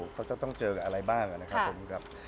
เขาจะต้องเจอกับอะไรบ้างนะครับ